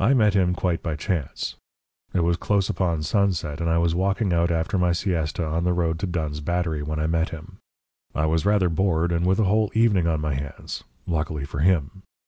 I met him quite by chance. It was close upon sunset, and I was walking out after my siesta on the road to Dunn's Battery, when I met him I was rather bored, and with a whole evening on my hands luckily for him.